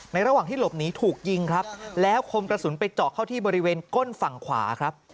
ระหว่างที่หลบหนีถูกยิงครับแล้วคมกระสุนไปเจาะเข้าที่บริเวณก้นฝั่งขวาครับ